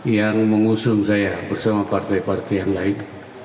yang mengusung saya bersama partai partai yang lain